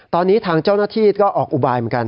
ตอนนี้ทางเจ้าหน้าที่ก็ออกอุบายเหมือนกัน